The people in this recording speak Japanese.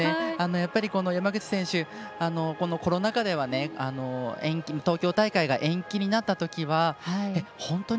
山口選手コロナ禍では、東京大会が延期になったときは本当に？